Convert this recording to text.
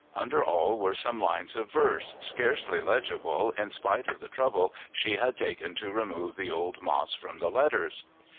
Under all were some lines of verse, scarcely legible in spite of the trouble she had taken to remove the old moss from the letters.